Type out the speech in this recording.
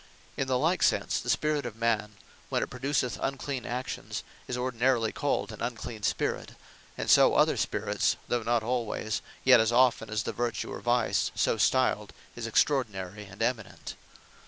In the like sense, the spirit of man, when it produceth unclean actions, is ordinarily called an unclean spirit; and so other spirits, though not alwayes, yet as often as the vertue or vice so stiled, is extraordinary, and Eminent.